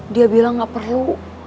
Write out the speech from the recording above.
dia bilang gak perlu